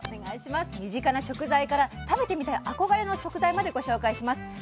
身近な食材から食べてみたい憧れの食材までご紹介します。